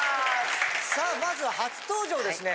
さあ、まず初登場ですね。